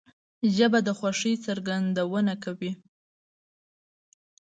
ژبه د خوښۍ څرګندونه کوي